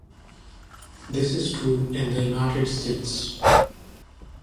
This is true in the United States.